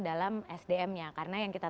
dalam sdm nya karena yang kita